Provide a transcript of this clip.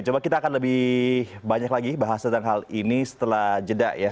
coba kita akan lebih banyak lagi bahas tentang hal ini setelah jeda ya